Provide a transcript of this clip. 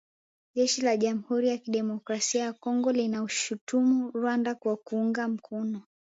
Jeshi la jamhuri ya kidemokrasia ya Kongo linaishutumu Rwanda kwa kuunga mkono